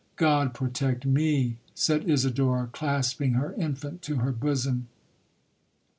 '—'God protect me,' said Isidora, clasping her infant to her bosom.